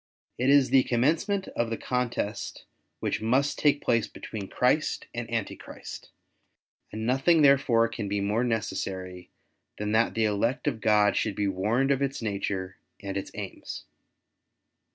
It is the commencement of the contest which must take place between Christ and Antichrist ; and nothing there fore can be more necessary than that the elect of God should be warned of its nature and its aims.